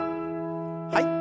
はい。